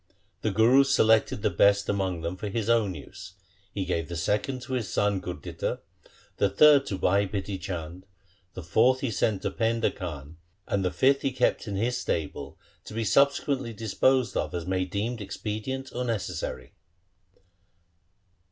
The Guru selected the best among them for his own use. He gave the second to his son Gurditta, the third to Bhai Bidhi Chand, the fourth he sent to Painda Khan, and the fifth he kept in his stable to be subsequently disposed of as might be deemed ex pedient or necessary.